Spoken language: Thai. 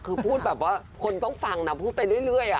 คือพูดแบบว่าคนต้องฟังนะพูดไปเรื่อย